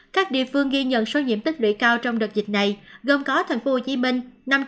các địa phương ghi nhận số nhiễm tích lưỡi cao trong đợt dịch này gồm có thành phố hồ chí minh năm trăm linh một chín trăm chín mươi